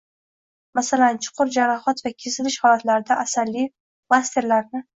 masalan, chuqur jarohat va kesilish holatlarida asalli plastirlarni.